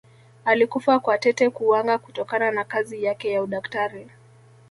alikufa kwa tete kuwanga kutokana na kazi yake ya udaktari